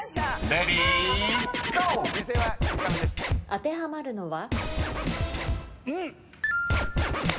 当てはまるのは？